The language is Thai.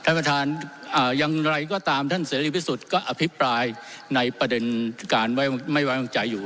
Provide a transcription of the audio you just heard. ท่านประธานอย่างไรก็ตามท่านเสรีพิสุทธิ์ก็อภิปรายในประเด็นการไม่ไว้วางใจอยู่